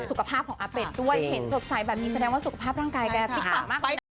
สุขภาพของอาเป็ดด้วยเห็นสดใสแบบนี้แสดงว่าสุขภาพร่างกายแกฟิตปังมากเลยนะ